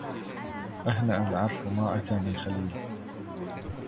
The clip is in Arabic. أهنأ العرف ما أتى من خليل